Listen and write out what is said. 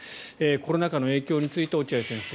コロナ禍の影響について落合先生。